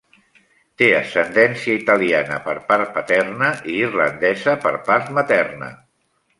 Té ascendència italiana per part paterna i irlandesa per part materna.